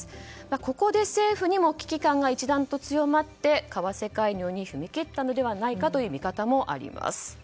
ここで政府も危機感が一段と強まって為替介入に踏み切ったのではないかという見方もあります。